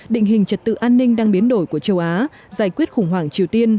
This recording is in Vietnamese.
định hình trật tự an ninh đang biến đổi của châu á giải quyết khủng hoảng triều tiên